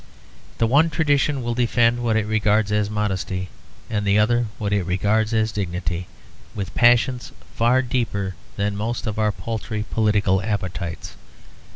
The one tradition will defend what it regards as modesty, and the other what it regards as dignity, with passions far deeper than most of our paltry political appetites.